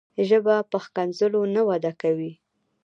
ژبه په ښکنځلو نه وده کوي.